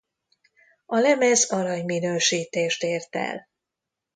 A lemez arany minősítést ért el.